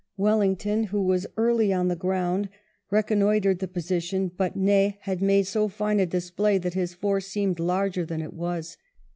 Wellington, who was early on the ground, reconnoitred the position, but Ney had made so fine a display that his force seemed larger than it was.